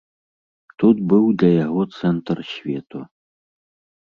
Тут быў для яго цэнтр свету.